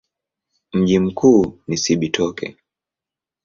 Mji mkuu ni Cibitoke.